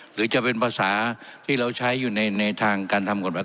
หรือจะเป็นภาษาที่เราใช้อยู่ในทางการทำกฎหมาย